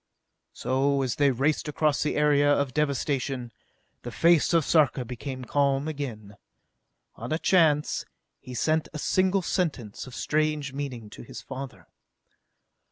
So, as they raced across the area of devastation, the face of Sarka became calm again. On a chance, he sent a single sentence of strange meaning to his father.